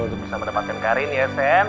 untuk bisa menempatkan karin ya sen